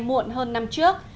muộn hơn năm trước